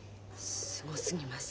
すごすぎます。